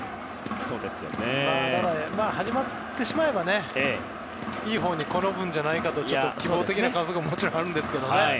ただ、始まってしまえばいいほうに転ぶんじゃないかとちょっと希望的な観測はあるんですけど。